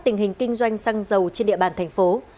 tình hình kinh doanh xăng dầu trên địa bàn tp hcm